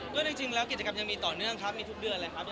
ก็จริงแล้วกิจกรรมยังมีต่อเนื่องครับมีทุกเดือนเลยครับ